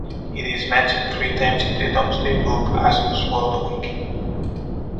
It is mentioned three times in the "Domesday Book" as "Osboldewic".